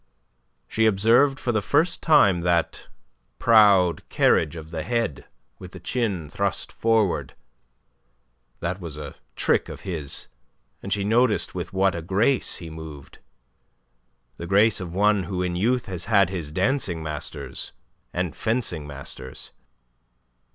She observed for the first time that proud carriage of the head, with the chin thrust forward, that was a trick of his, and she noticed with what a grace he moved the grace of one who in youth has had his dancing masters and fencing masters.